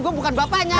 gue bukan bapaknya